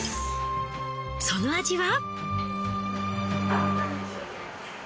その味は？